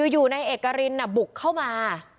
อยู่นายเอกรินน่ะบุกเข้ามา